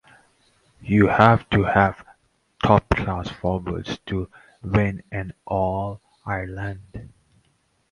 You have to have top class forwards to win an All Ireland.